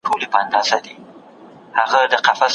موږ باید د خپلو ستونزو بار په خپلو اوږو وا نه خلو.